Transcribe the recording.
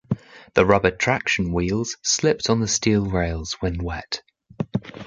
The rubber traction wheels slipped on the steel rails when wet.